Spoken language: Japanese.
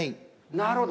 なるほど。